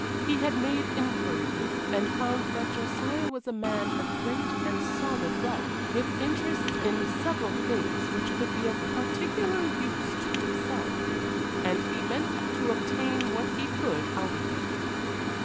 He had made inquiries, and found that Josiah was a man of great and solid wealth, with interests in several things which could be of particular use to himself, and he meant to obtain what he could out of him.